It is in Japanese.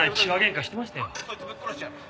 そいつぶっ殺してやる。